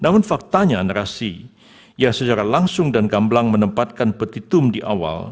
namun faktanya narasi yang secara langsung dan gamblang menempatkan petitum di awal